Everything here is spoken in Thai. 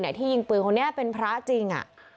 หรือจิกปืนเป็นพระจริงอ่ะ